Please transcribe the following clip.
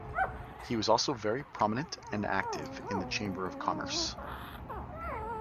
He was also very prominent and active in the Chamber of Commerce.